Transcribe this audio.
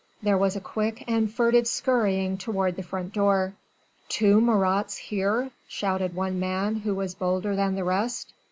There was a quick and furtive scurrying toward the front door. "Two Marats here?" shouted one man, who was bolder than the rest.